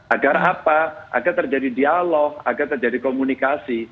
agar apa agar terjadi dialog agar terjadi komunikasi